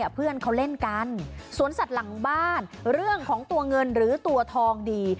เพื่อนเขาเล่นกันสวนสัตว์หลังบ้านเรื่องของตัวเงินหรือตัวทองดี